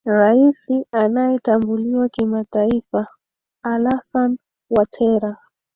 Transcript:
rais anayetambuliwa kimataifa alasan watera